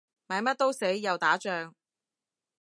買乜都死，又打仗